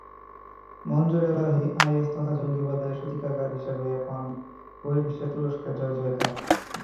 মনজুর Elahi IS তথা জঙ্গিবাদের সূতিকাগার হিসেবে এখন বহির্বিশ্বে তুরস্কের জয়জয়কার।